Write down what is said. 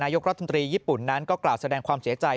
ยกรัฐมนตรีญี่ปุ่นนั้นก็กล่าวแสดงความเสียใจ